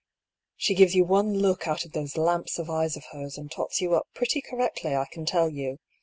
She gives yon one look out of those lamps of eyes of hers, and tots you up pretty correctly, I can tell you.